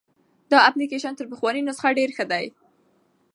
دا اپلیکیشن تر پخواني نسخه ډېر ښه دی.